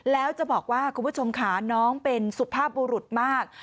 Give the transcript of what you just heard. แล้วจะบอกว่าคุณผู้ชมค่ะน้องเป็นสุภาพบุรุษมาก